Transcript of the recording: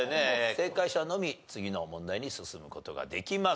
正解者のみ次の問題に進む事ができます。